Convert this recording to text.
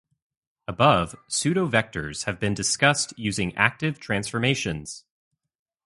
Above, pseudovectors have been discussed using active transformations.